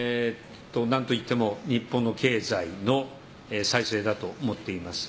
何といっても日本の経済の再生だと思っています。